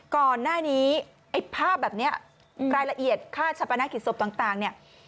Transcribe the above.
ก่อนหน้านี้ไอ้ภาพแบบนี้รายละเอียดค่าชะปนกิจศพต่างเนี่ย